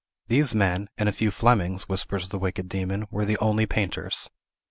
These men, and a few Flemings, whispers the wicked demon, were the only painters.